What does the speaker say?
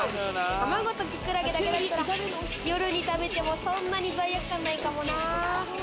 卵とキクラゲだけだったら、夜に食べても、そんなに罪悪感ないかもな。